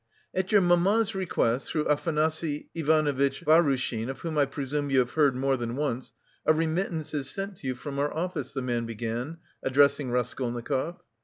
"At your mamma's request, through Afanasy Ivanovitch Vahrushin, of whom I presume you have heard more than once, a remittance is sent to you from our office," the man began, addressing Raskolnikov.